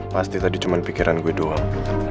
pasti tadi cuma pikiran gue doang